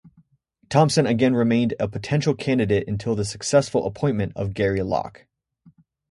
Thompson again remained a potential candidate until the successful appointment of Gary Locke.